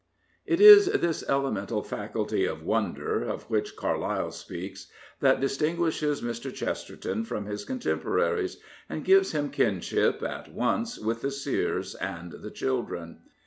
It is this elemental faculty of wonder, of which Carlyle speaks, that distinguishes Mr. Chesterton from his contemporaries, and gives him kinship at once with the seers and the children.